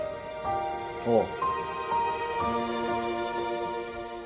おう。